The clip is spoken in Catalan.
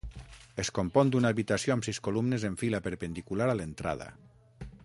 Es compon d'una habitació amb sis columnes en fila perpendicular a l'entrada.